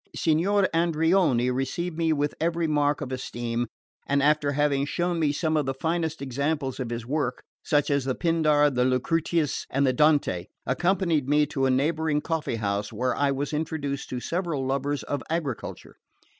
Signor Andreoni received me with every mark of esteem, and after having shown me some of the finest examples of his work such as the Pindar, the Lucretius and the Dante accompanied me to a neighbouring coffee house, where I was introduced to several lovers of agriculture.